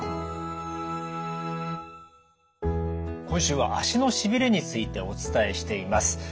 今週は足のしびれについてお伝えしています。